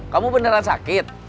kamu beneran sakit